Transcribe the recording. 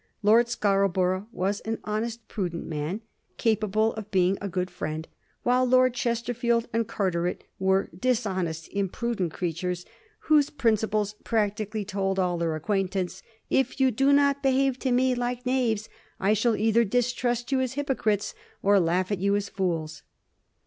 Lord Scarbor* ough was an honest, prudent man, capable of being a good friend, while Lord Chesterfield and Carteret were dishon est, imprudent creatures, whose principles practically told all their acquaintance, ^' If you do not behave to me like knaves, I shall either distrust you as hypocrites or laugh at you as fools."